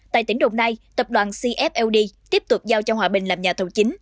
tại tỉnh đồng nai tập đoàn cfld tiếp tục giao cho hòa bình làm nhà thầu chính